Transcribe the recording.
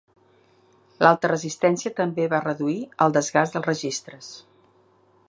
L'alta resistència també va reduir el desgast dels registres.